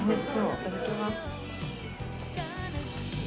いただきます。